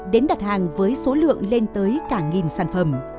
đến đặt hàng với số lượng lên tới cả nghìn sản phẩm